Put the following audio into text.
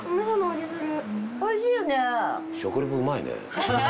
おいしいよね？